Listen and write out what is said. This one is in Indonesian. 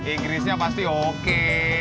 inggrisnya pasti oke